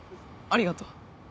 ありがとう。